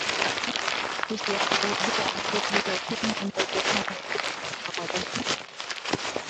tusiyapuuzie afrika bila ukimwi inawezekana ni ujumbe kutoka kwa dada sylivia